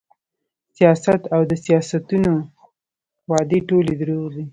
سیاست او د سیاسیونو وعدې ټولې دروغ وې